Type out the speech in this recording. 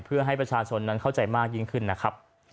เพื่อให้ประชาชนนั้นเข้าใจมากยิ่งขึ้นนะครับ